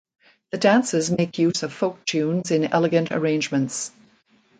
The dances make use of folk tunes in elegant arrangements.